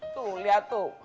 tuh liat tuh